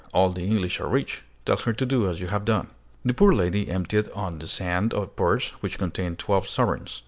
All the English are rich. Tell her to do as you have done." The poor lady emptied on the sand a purse, which contained twelve sovereigns.